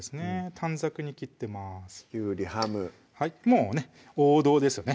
短冊に切ってますきゅうり・ハムもうね王道ですよね